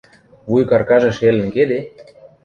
— Вуйгаркажы шелӹн кеде?